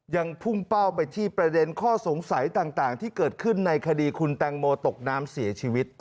ยังพุ่งเป้าไปที่ประเด็นข้อสงสัยต่างที่เกิดขึ้นในคดีคุณแตงโมตกน้ำเสียชีวิต